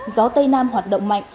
gió tây nam hoạt động mạnh